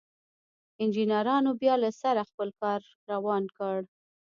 انجنيرانو بيا له سره خپل کار روان کړ.